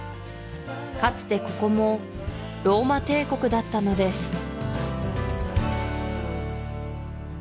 かつてここもローマ帝国だったのです